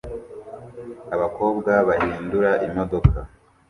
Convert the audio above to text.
Abakobwa bahindura imodoka